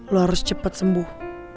lo harus cepat sembuh